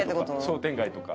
商店街とか。